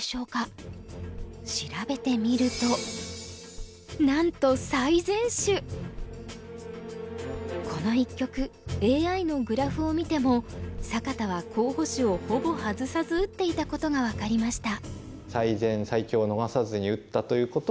調べてみるとなんとこの一局ＡＩのグラフを見ても坂田は候補手をほぼ外さず打っていたことが分かりました。